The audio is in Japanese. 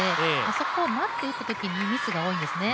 そこを待って打ったときにミスが多いんですね。